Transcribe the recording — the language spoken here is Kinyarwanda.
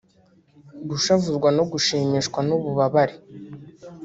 gushavuzwa no gushimishwa n’ububabare